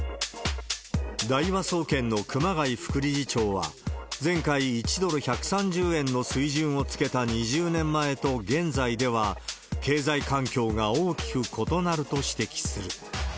大和総研の熊谷副理事長は、前回、１ドル１３０円の水準をつけた２０年前と現在では、経済環境が大きく異なると指摘する。